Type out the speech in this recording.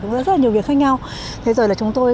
rất là nhiều việc khác nhau thế rồi là chúng tôi